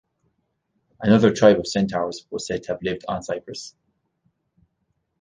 Another tribe of centaurs was said to have lived on Cyprus.